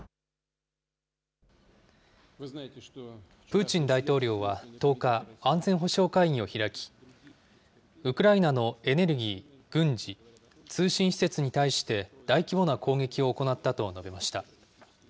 プーチン大統領は１０日、安全保障会議を開き、ウクライナのエネルギー、軍事、通信施設に対して大規模な攻撃を行ったと述べました。